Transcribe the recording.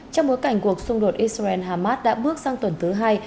trong bối cảnh cuộc xung đột israel hamas đã bước sang tuần thứ hai